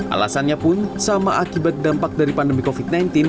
alasannya pun sama akibat dampak dari pandemi covid sembilan belas